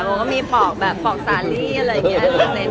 ก็มีปอกแบบปอกสาลี่อื่นอะไรอย่างเงี้ย